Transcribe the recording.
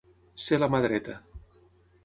Ser la mà dreta.